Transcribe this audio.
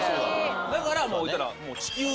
だから。